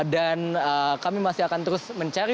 kami masih akan terus mencari